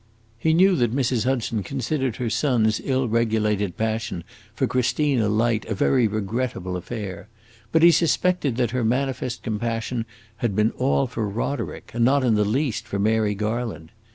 He knew that Mrs. Hudson considered her son's ill regulated passion for Christina Light a very regrettable affair, but he suspected that her manifest compassion had been all for Roderick, and not in the least for Mary Garland.